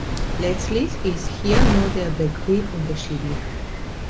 Letztlich ist hier nur der Begriff unterschiedlich.